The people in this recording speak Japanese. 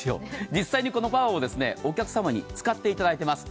実際にこのパワーをお客様に使っていただいています。